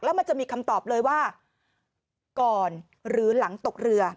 แล้วมันจะมีคำตอบเลยว่าก่อนหรือหลังตกเรือ